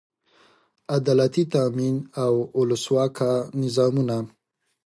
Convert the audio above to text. عدالتي تامین او اولسواکه نظامونه.